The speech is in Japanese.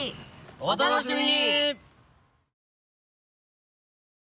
お楽しみに！